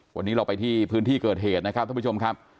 วันนี้เราไปที่พื้นที่เกิดเหตุนะครับท่านผู้ชมครับ